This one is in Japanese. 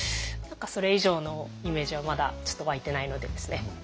何かそれ以上のイメージはまだちょっと湧いてないのでですね